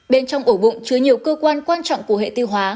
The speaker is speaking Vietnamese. bên trong ổ bụng chứa nhiều cơ quan quan trọng của hệ tiêu hóa